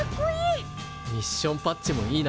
ミッションパッチもいいな。